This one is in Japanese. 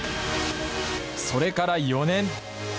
それから４年。